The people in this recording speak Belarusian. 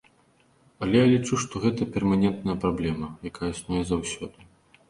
Але я лічу, што гэта перманентная праблема, якая існуе заўсёды.